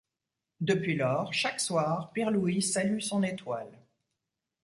Depuis lors, chaque soir, Pirlouit salue son étoile.